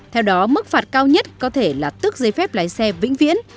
theo đó mức phạt cao nhất có thể là tước giấy phép lái xe vĩnh viễn